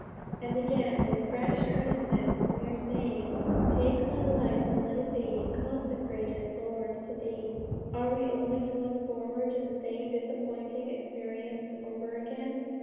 and again with fresh earnestness we are saying, 'Take my life, and let it be Consecrated, Lord, to Thee!' are we only to look forward to the same disappointing experience over again?